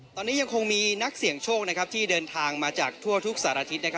ตอนนี้ยังคงมีนักเสี่ยงโชคที่เดินทางมาจากทั่วทุกสารทิศ